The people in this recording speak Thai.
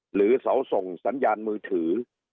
หรือเสาส่งสัญญาณมือถือ